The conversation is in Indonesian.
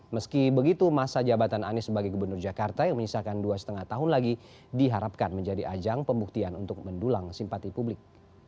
meski begitu masa jabatan anies sebagai gubernur jakarta yang menyisakan dua lima tahun lagi diharapkan menjadi ajang pembuktian untuk mendulang simpati publik